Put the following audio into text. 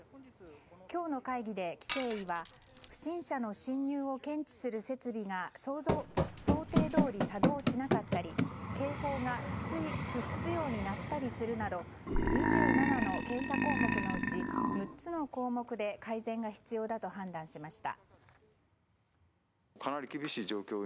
今日の会議で規制委は不審者の侵入を検知する設備が想定どおり作動しなかったり警報が不必要に鳴ったりするなど２７の検査項目のうち６つの項目で改善が必要だと判断しました。